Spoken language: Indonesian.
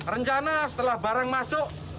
rencana setelah barang masuk